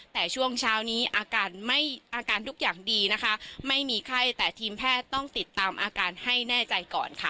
แต่ช่วงเช้านี้อาการไม่อาการทุกอย่างดีนะคะไม่มีไข้แต่ทีมแพทย์ต้องติดตามอาการให้แน่ใจก่อนค่ะ